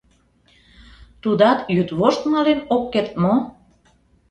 Тудат йӱдвошт мален ок керт мо?..